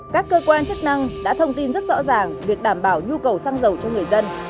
các cơ quan chức năng đã thông tin rất rõ ràng việc đảm bảo nhu cầu xăng dầu cho người dân